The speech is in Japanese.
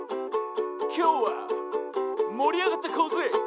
「きょうはもりあがっていこうぜ！」